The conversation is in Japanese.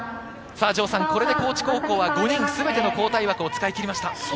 城さん、これで高知高校は５人全ての交代枠を使い切りました。